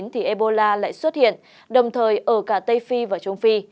thì ebola lại xuất hiện đồng thời ở cả tây phi và trung phi